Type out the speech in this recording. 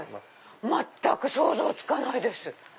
全く想像つかないです。